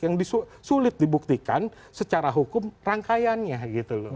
yang sulit dibuktikan secara hukum rangkaiannya gitu loh